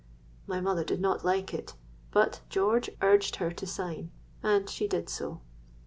'—My mother did not like it; but George urged her to sign, and she did so.